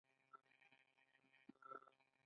د دې نابرابرۍ لامل ډېر ساده و